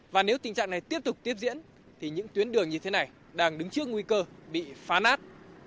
và nếu tình trạng này tiếp tục tiếp diễn thì những tuyến đường như thế này đang đứng trước nguy cơ bị phá nát